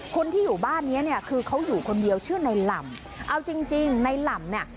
คนที่อยู่บ้านเนี้ยเนี่ยคือเขาอยู่คนเดียวชื่อในหล่ำเอาจริงจริงในหล่ำเนี่ย